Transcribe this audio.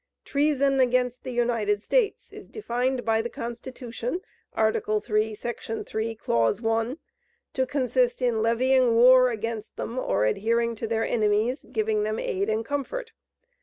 Treason against the United States is defined by the Constitution, Art. 3, Sec. 3, cl. 1, to consist in "levying war against them, or adhering to their enemies, giving them aid and comfort."